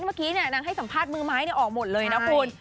เมื่อกี้นางให้สัมภาษณ์มือไม้ออกหมดเลยนะคุณ